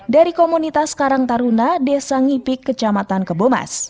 dari komunitas karang taruna desa ngipik kecamatan kebomas